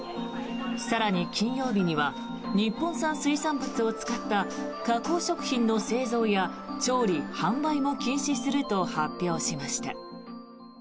更に、金曜日には日本産水産物を使った加工食品の製造や調理・販売も禁止すると発表しました。